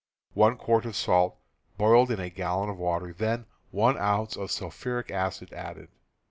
(One quart of salt boiled in a gallon of water, then 1 ounce of sulphuric acid added.)